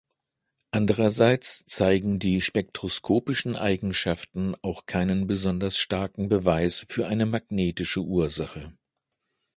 Andererseits zeigen die spektroskopischen Eigenschaften auch keinen besonders starken Beweis für eine magnetische Ursache.